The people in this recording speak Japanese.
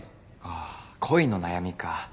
あ恋の悩みか。